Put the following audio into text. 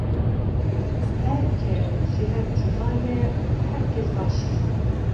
Her kes ji hev cuda ye û her kes baş e.